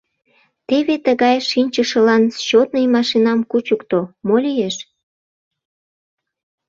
Теве тыгай «шинчышылан» счётный машинам кучыкто, мо лиеш?